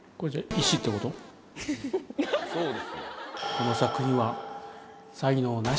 この作品は。